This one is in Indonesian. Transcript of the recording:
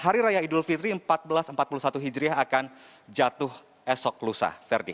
hari raya idul fitri seribu empat ratus empat puluh satu hijriah akan jatuh esok lusa